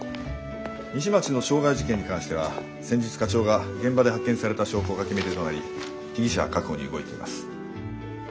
西町の傷害事件に関しては先日課長が現場で発見された証拠が決め手となり被疑者確保に動いています。